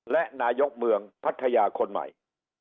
และนายกเมืองพัทยาคนใหม่